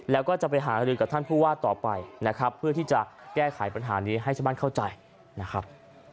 แล้วก็จะไปหารือกับท่านผู้ว่าต่อไปนะครับเพื่อที่จะแก้ไขปัญหานี้ให้ชาวบ้านเข้าใจนะครับ